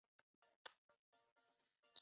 里御三家之一的真宫寺家传家之宝。